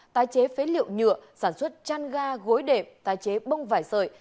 tái chế phế liệu nhựa sản xuất chăn ga gối đệm tái chế bông vải sợi